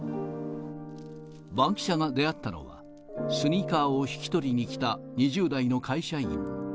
バンキシャが出会ったのは、スニーカーを引き取りに来た２０代の会社員。